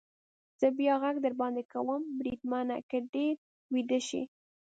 زه بیا غږ در باندې کوم، بریدمنه، که ډېر ویده شې.